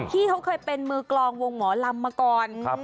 ที่เขาเคยเป็นมือกลองวงหมอลำมาก่อน